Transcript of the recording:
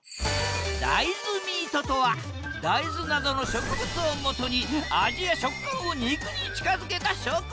大豆ミートとは大豆などの植物をもとに味や食感を肉に近づけた食材！